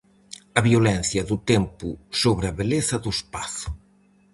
A violencia do tempo sobre a beleza do espazo.